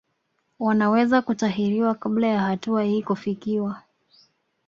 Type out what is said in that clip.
Wanaweza kutahiriwa kabla ya hatua hii kufikiwa